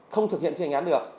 không thực hiện thi hành án được